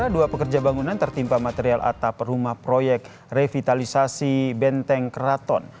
dua pekerja bangunan tertimpa material atap rumah proyek revitalisasi benteng keraton